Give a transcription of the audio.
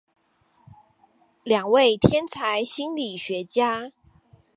兩位天才心理學家